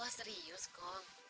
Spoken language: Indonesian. insya allah serius kong